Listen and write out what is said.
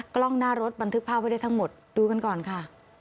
กล้องหน้ารถบันทึกภาพไว้ได้ทั้งหมดดูกันก่อนค่ะ